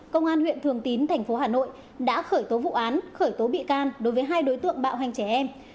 công an huyện thường tín thành phố hà nội đã khởi tố vụ án khởi tố bị can đối với hai đối tượng bạo hành trẻ em